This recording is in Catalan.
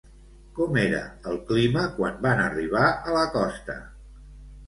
Com era el clima quan van arribar a la costa?